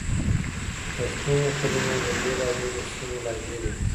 پښتو متلونه د بېلابېلو سیمو لهجې لري